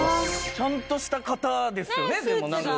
ちゃんとした方ですよね。